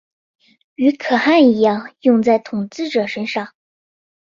与可汗一样用在统治者身上。